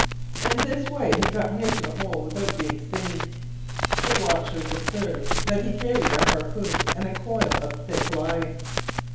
In this way he got near to the hole without being seen. The watchers observed that he carried a harpoon and a coil of thick line.